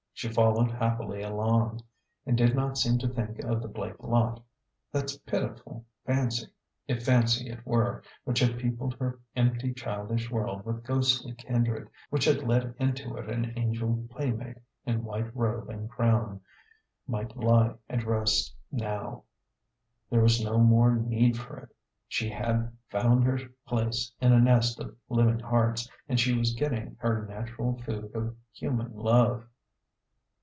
She followed happily along, and did not seem to think of the Blake lot. That pitiful fancy, if fancy it were, which had peopled her empty childish world with ghostly kindred, which had led into it an angel playmate in white robe and crown, might lie at rest now. There was no more need for it. She had found her place in a nest of living hearts, and she was get ting her natural food of human love.